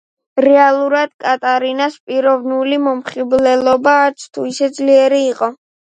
რეალურად კატარინას პიროვნული მომხიბვლელობა არც თუ ისე ძლიერი იყო.